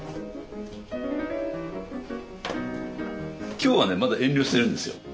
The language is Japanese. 今日はねまだ遠慮してるんですよ。